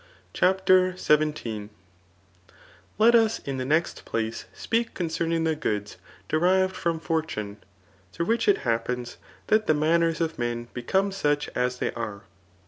CHAPTER XVII. Lei*^ us in the next place speak concerning the goods derived from fortune^ throi^gh which it happens that the manners of liien become such as they are.